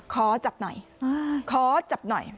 ขอจับหน่อยขอจับหน่อย